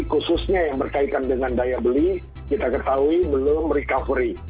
khususnya yang berkaitan dengan daya beli kita ketahui belum recovery